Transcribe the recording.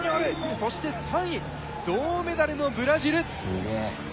そして３位銅メダルもブラジル。